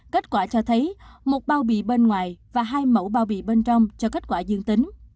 kết quả cho thấy một bao bì bên ngoài và hai mẫu bao bì bên trong cho kết quả dương tính